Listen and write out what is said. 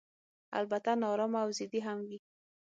البته نا ارامه او ضدي هم وي.